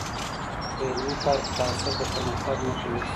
په علمي کار کې تعصب د پرمختګ مخه نیسي.